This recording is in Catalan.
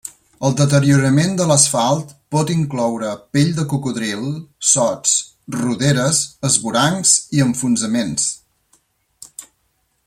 El deteriorament de l'asfalt pot incloure pell de cocodril, sots, roderes, esvorancs i enfonsaments.